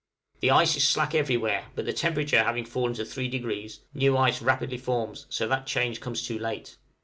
The ice is slack everywhere, but the temperature having fallen to 3°, new ice rapidly forms, so that the change comes too late.